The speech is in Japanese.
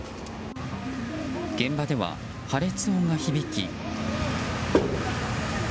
現場では破裂音が響き。